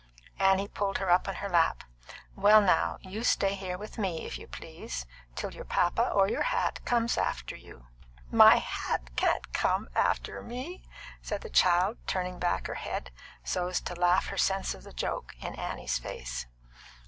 Annie pulled her up on her lap. "Well, now, you stay here with me, if you please, till your papa or your hat comes after you." "My hat can't come after me!" said the child, turning back her head, so as to laugh her sense of the joke in Annie's face.